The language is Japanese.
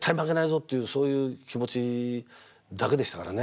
そういう気持ちだけでしたからね。